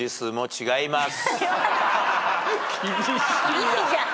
違います！